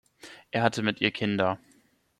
Er hatte mit ihr Kinder.